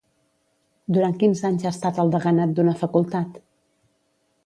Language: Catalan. Durant quins anys ha estat al deganat d'una facultat?